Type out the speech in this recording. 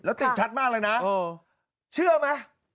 แล้วติดชัดมากเลยนะเชื่อไหม